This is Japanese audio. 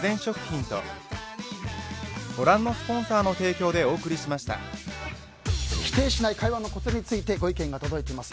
「ビオレ」否定しない会話のコツについてご意見が届いています。